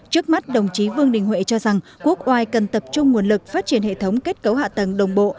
trước mắt đồng chí vương đình huệ cho rằng quốc oai cần tập trung nguồn lực phát triển hệ thống kết cấu hạ tầng đồng bộ